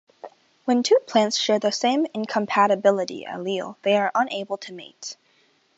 When two plants share the same incompatibility allele, they are unable to mate.